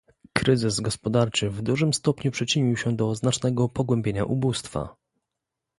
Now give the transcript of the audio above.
Kryzys gospodarczy w dużym stopniu przyczynił się do znacznego pogłębienia ubóstwa